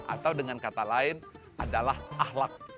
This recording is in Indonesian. atau dengan kata lain adalah ahlak